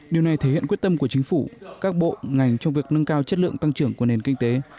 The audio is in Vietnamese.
điều này thể hiện quyết tâm của chính phủ các bộ ngành trong việc nâng cao chất lượng tăng trưởng của nền kinh tế